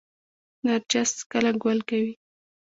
نرجس کله ګل کوي؟